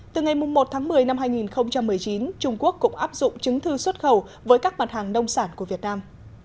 từ ngày một tháng một mươi năm hai nghìn một mươi chín trung quốc cũng áp dụng chứng thư xuất khẩu với các mặt hàng nông sản của việt nam